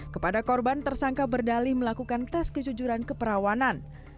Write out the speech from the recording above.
kepada korban tersangka berdalih melakukan tes kejujuran keperawanan